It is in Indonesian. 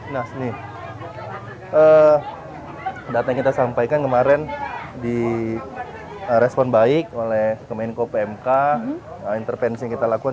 nasli eh data kita sampaikan kemarin di respon baik oleh kemenko pmk intervensi kita lakukan